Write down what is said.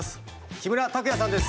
木村拓哉さんです